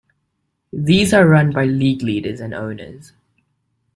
These are run by League leaders and owners.